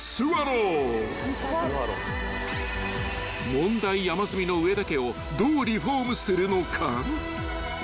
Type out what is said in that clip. ［問題山積みの上田家をどうリフォームするのか］